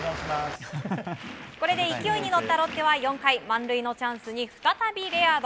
これで勢いに乗ったロッテは４回満塁のチャンスに再びレアード。